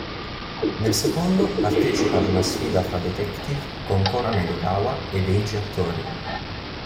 Nel secondo, partecipa ad una sfida fra detective con Conan Edogawa ed Heiji Hattori.